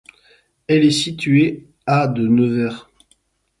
Elle est située à de Nevers.